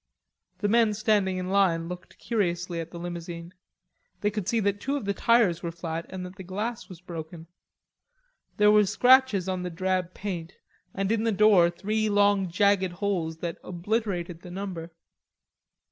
The men standing in line looked curiously at the limousine. They could see that two of the tires were flat and that the glass was broken. There were scratches on the drab paint and in the door three long jagged holes that obliterated the number.